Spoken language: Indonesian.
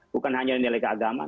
bukan hanya nilai keagaman